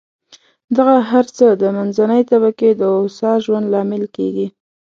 دغه هر څه د منځنۍ طبقې د هوسا ژوند لامل کېږي.